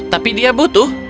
tapi dia butuh